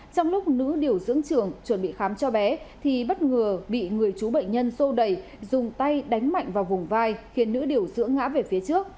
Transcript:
trong lúc nữ điều dưỡng trường chuẩn bị khám cho bé thì bất ngờ bị người chú bệnh nhân sô đẩy dùng tay đánh mạnh vào vùng vai khiến nữ điều dưỡng ngã về phía trước